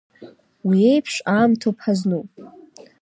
Уи еиԥш аамҭоуп ҳазну.